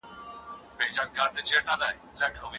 پارکونه پاک وساتئ.